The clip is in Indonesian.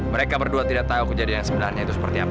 mereka berdua tidak tahu kejadian sebenarnya itu seperti apa